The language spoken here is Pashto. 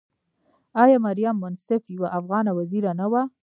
آیا مریم منصف یوه افغانه وزیره نه وه؟